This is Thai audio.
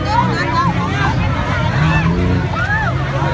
ก็ไม่มีเวลาให้กลับมาเท่าไหร่